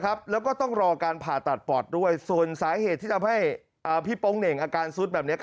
อะเปดก็ตั้งใจจะช่วยเหลือนะครับ